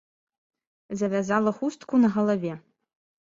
Завязала хустку на галаве.